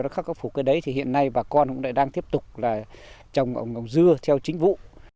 nó khắc phục cái đấy thì hiện nay bà con cũng lại đang tiếp tục là trồng dưa theo chính vụ